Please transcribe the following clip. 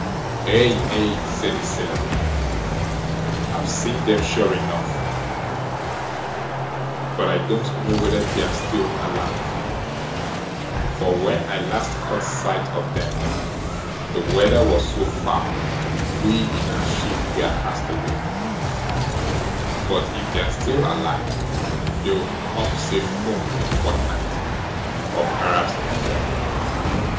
"Aye, aye", said the sailor, "I've seen them sure enough, but I don't know whether they're still alive, for when I last caught sight of them, the weather was so foul we in our ship were cast away; but if they're still alive they'll come safe home in a fortnight or perhaps before."